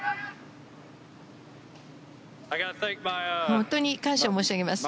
本当に感謝申し上げます。